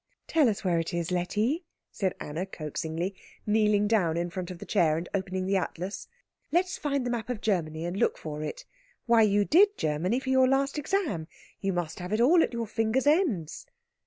"Tell us where it is, Letty," said Anna coaxingly, kneeling down in front of the chair and opening the atlas. "Let us find the map of Germany and look for it. Why, you did Germany for your last exam. you must have it all at your fingers' ends."